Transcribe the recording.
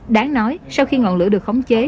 đáng nói sau khi ngọn lửa được khống chế